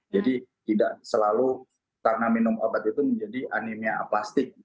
jadi tidak selalu karena minum obat itu menjadi anemia aplastik